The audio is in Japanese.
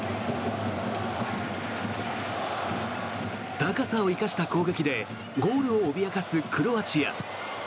高さを生かした攻撃でゴールを脅かすクロアチア。